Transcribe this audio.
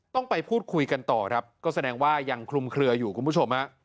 ต้องไปพูดคุยกันต่อครับก็แสดงว่ายังคลุมเคลืออยู่คุณผู้ชมฮะ